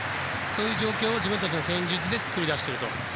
そういう状況を自分たちの戦術で作り出していると。